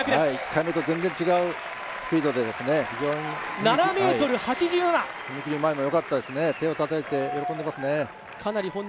１回目と全然違うスピードで踏み切り前もよかったですね、手をたたいて喜んでいますね。